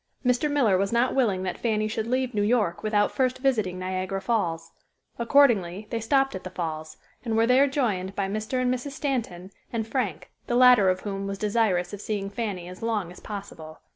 Mr. Miller was not willing that Fanny should leave New York without first visiting Niagara Falls. Accordingly, they stopped at the Falls, and were there joined by Mr. and Mrs. Stanton and Frank, the latter of whom was desirous of seeing Fanny as long as possible.